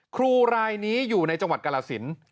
ครูรายนี้อยู่ในจังหวัดกรสิน